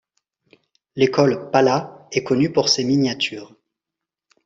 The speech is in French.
L'école Pala est connue pour ses miniatures.